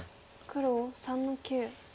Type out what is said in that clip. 黒３の九。